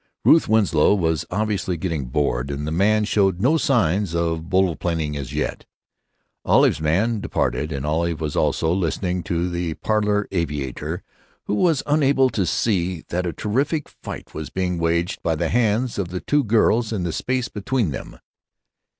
Ruth Winslow was obviously getting bored, and the man showed no signs of volplaning as yet. Olive's man departed, and Olive was also listening to the parlor aviator, who was unable to see that a terrific fight was being waged by the hands of the two girls in the space down between them.